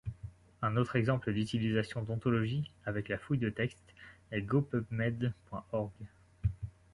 Un autre exemple d'utilisation d'ontologies avec la fouille de textes est GoPubMed.org.